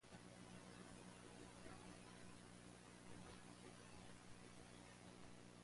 For the track they used Peter Millwood as guest lead vocalist.